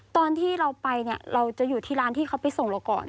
ตอนที่เราไปเนี่ยเราจะอยู่ที่ร้านที่เขาไปส่งเราก่อน